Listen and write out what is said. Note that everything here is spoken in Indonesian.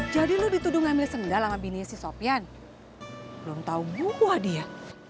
jadi lo dituduh ngambil sendal sama bininya si sopian belum tau mu buah dia